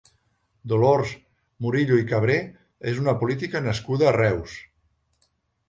Dolors Murillo i Cabré és una política nascuda a Reus.